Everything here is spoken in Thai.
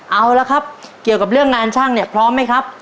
เอาละครับเกี่ยวกับเรื่องงานช่างเนี่ยพร้อมไหมครับ